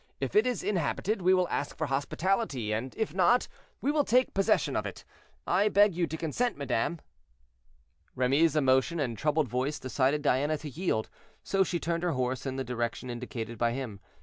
If it is inhabited, we will ask for hospitality; and if not, we will take possession of it. I beg you to consent, madame." Remy's emotion and troubled voice decided Diana to yield, so she turned her horse in the direction indicated by him.